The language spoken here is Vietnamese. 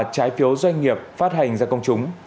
trái phiếu doanh nghiệp phát hành ra công chúng